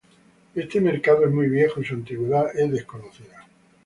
Este mercado es muy viejo y su antigüedad es desconocida.